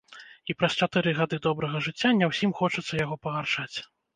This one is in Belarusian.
І праз чатыры гады добрага жыцця не ўсім хочацца яго пагаршаць.